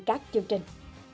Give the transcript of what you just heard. các chương trình